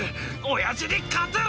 親父に勝てる！」